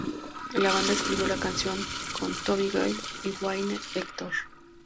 La banda escribió la canción con Toby Gad y Wayne Hector.